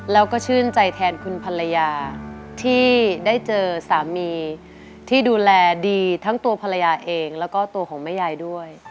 แล้วก็ชื่นใจแทนคุณภรรยาที่ได้เจอสามีที่ดูแลดีทั้งตัวภรรยาเองแล้วก็ตัวของแม่ยายด้วย